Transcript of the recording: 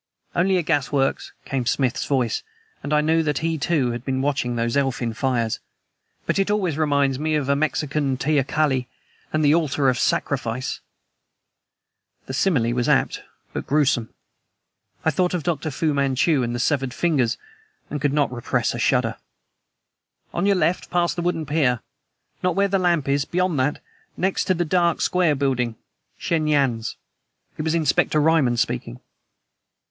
"Only a gasworks," came Smith's voice, and I knew that he, too, had been watching those elfin fires. "But it always reminds me of a Mexican teocalli, and the altar of sacrifice." The simile was apt, but gruesome. I thought of Dr. Fu Manchu and the severed fingers, and could not repress a shudder. "On your left, past the wooden pier! Not where the lamp is beyond that; next to the dark, square building Shen Yan's." It was Inspector Ryman speaking.